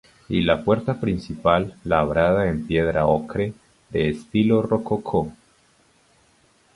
Y la puerta principal, labrada en piedra ocre, de estilo rococó.